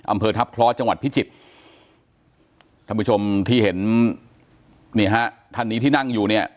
อำเภอทัพเคราะห์จังหวัดพิจิตรท่านผู้ชมที่เห็นนี่ฮะท่านนี้ที่นั่งอยู่เนี่ย